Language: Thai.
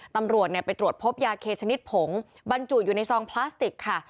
ตำรวจไปตรวจพบยาเคชนิดผงบรรจุอยู่ในซองพลาสติกค่ะ